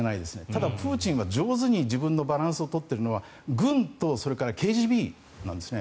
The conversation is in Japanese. ただプーチンが上手に自分のバランスを取っているのは軍とそれからＫＧＢなんですね。